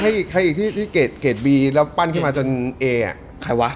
ใครอีกใครที่ที่เกรดเกรดบีแล้วปั้นขึ้นมาจนแยงอะใครวะ